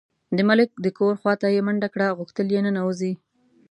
د ملک د کور خواته یې منډه کړه، غوښتل یې ننوځي.